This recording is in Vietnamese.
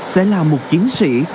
sẽ là một chiến sĩ